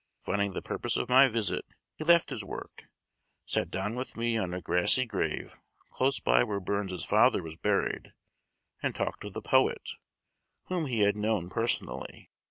Finding the purpose of my visit, he left his work, sat down with me on a grassy grave, close by where Burns' father was buried, and talked of the poet, whom he had known personally.